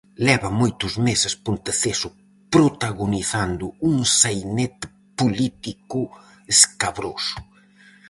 Leva moitos meses Ponteceso protagonizando un sainete político escabroso.